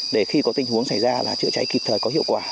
để khi có tình huống xảy ra là chữa cháy kịp thời có hiệu quả